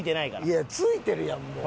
いやついてるやんもう。